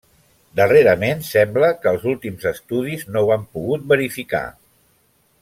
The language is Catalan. Darrerament sembla que els últims estudis no ho han pogut verificar.